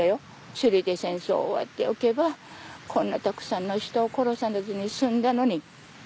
首里で戦争を終わっておけばこんなたくさんの人を殺さずに済んだのに。